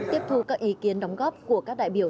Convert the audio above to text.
tiếp thu các ý kiến đóng góp của các đại biểu